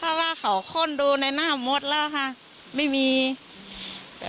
เพราะว่าเขาโค้นดูในน่ามบมวดแล้วค่ะไม่มีไม่มีวิแยะ